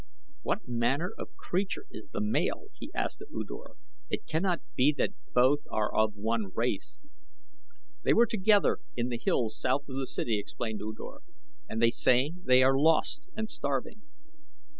"What manner of creature is the male?" he asked of U Dor. "It cannot be that both are of one race." "They were together in the hills south of the city," explained U Dor, "and they say that they are lost and starving."